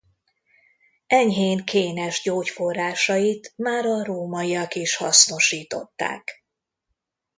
Enyhén kénes gyógyforrásait már a rómaiak is hasznosították.